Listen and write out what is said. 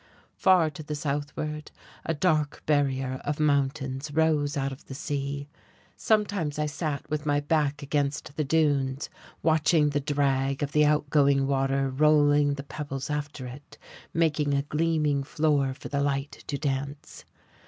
Far to the southward a dark barrier of mountains rose out of the sea. Sometimes I sat with my back against the dunes watching the drag of the outgoing water rolling the pebbles after it, making a gleaming floor for the light to dance.